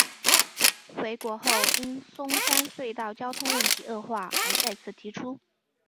回归后因松山隧道交通问题恶化而再次提出。